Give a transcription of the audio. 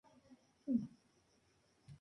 Hoy es una campiña de ciudad de Yungay, Perú.